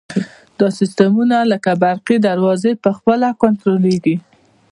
دا سیسټمونه لکه برقي دروازې په خپله کنټرولیږي.